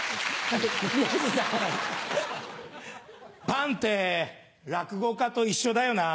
パンて落語家と一緒だよな。